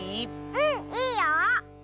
うんいいよ！